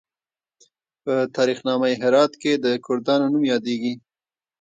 په تاریخ نامه هرات کې د کردانو نوم یادیږي.